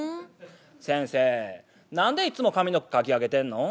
「先生何でいっつも髪の毛かき上げてんのん？」。